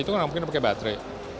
itu mungkin pakai baterai